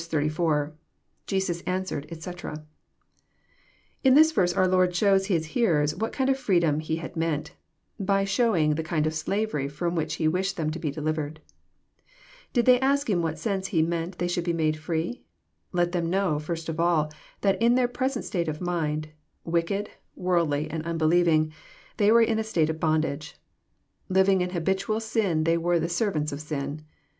ti.— [Jesus answered^ etc.'] In this verse our Lord shows His hearers what kind of Areedom He had meant, by showing the kind of slavery fh)m which He wished them to be delivered. Did they ask in what sense He meant they should be made tree? Let them know, first of all, that in their present state of mind, wicked, worldly, and unbelieving, they were in a state of bon dage. Living in habitual sin they were the <' servants of sin."